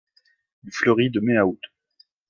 Il fleurit de mai à août.